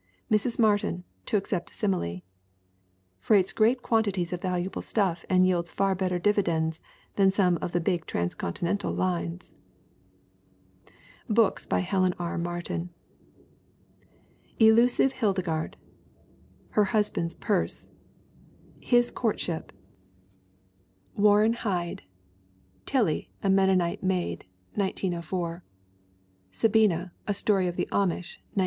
Mrs. Martin, to accept the simile, freights great quantities of valuable stuff and yields far bet ter dividends than some of the big transcontinental lines ! BOOKS BY HELEN R. MARTIN Elusive Hildegarde. Her Husband's Purse. His Courtship. HELEN R. MARTIN 225 Warren Hyde. Tillie, a Mennonite Maid, 1904. Sabina, a Story of the Amish, 1905.